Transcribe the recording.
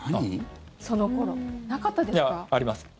その頃、なかったですか？